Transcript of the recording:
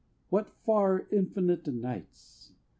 What far, infinite nights!